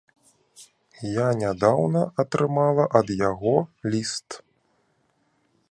Я нядаўна атрымала ад яго ліст.